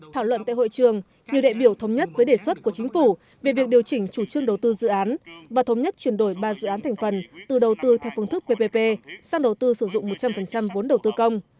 thảo luận tại hội trường nhiều đại biểu thống nhất với đề xuất của chính phủ về việc điều chỉnh chủ trương đầu tư dự án và thống nhất chuyển đổi ba dự án thành phần từ đầu tư theo phương thức ppp sang đầu tư sử dụng một trăm linh vốn đầu tư công